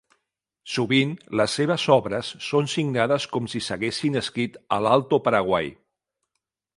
Sovint, les seves obres són signades com si s'haguessin escrit a l'Alto Paraguay.